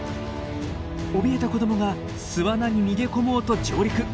おびえた子どもが巣穴に逃げ込もうと上陸。